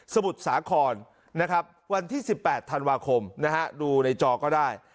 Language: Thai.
สมุทรสาขอนวันที่๑๘ธันวาคมดูในจอก็ได้